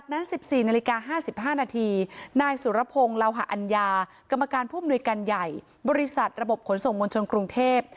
ในเวลา๕๕นาทีนายสุรพงษ์ลาวหะอัญญากรรมการผู้มนุยกันใหญ่บริษัทระบบขนส่งมวลชนกรุงเทพฯ